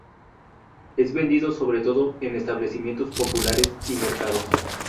Es vendido sobre todo en establecimientos populares y mercados.